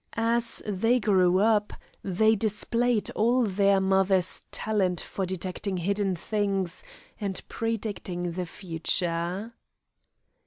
As they grew up, they displayed all their mother's talent for detecting hidden things, and predicting the future.